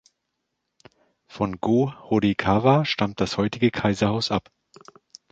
Von Go-Horikawa stammt das heutige Kaiserhaus ab.